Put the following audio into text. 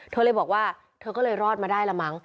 เธอเลยบอกว่าเธอก็เลยรอดมาได้ละมั้ง